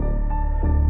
tidak ada yang bisa dihukum